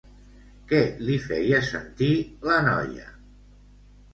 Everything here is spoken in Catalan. Què li feia sentir la noia?